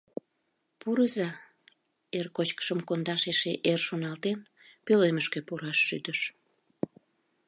— Пурыза, — эр кочкышым кондаш эше эр шоналтен, пӧлемышке пураш шӱдыш.